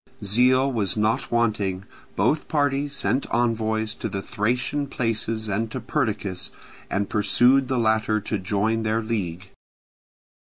Zeal was not wanting: both parties sent envoys to the Thracian places and to Perdiccas, and persuaded the latter to join their league.